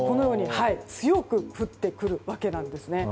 強く降ってくるわけですね。